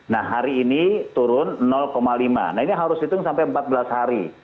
nah hari ini turun lima nah ini harus dihitung sampai empat belas hari